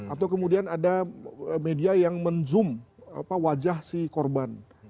atau kemudian ada media yang men zoom wajah si korban